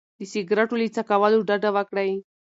د سګرټو له څکولو ډډه وکړئ.